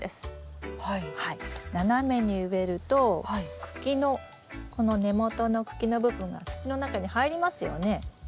斜めに植えると茎のこの根元の茎の部分が土の中に入りますよね。